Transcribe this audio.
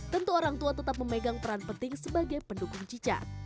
tentu orang tua tetap memegang peran penting sebagai pendukung cicat